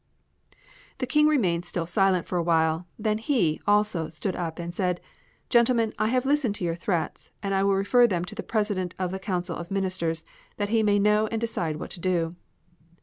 The King remained still silent for a while, then he, also, stood up and said: "Gentlemen, I have listened to your threats, and will refer them to the President of the Council of Ministers, that he may know and decide what to do."